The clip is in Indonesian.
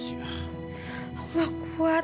aku gak kuat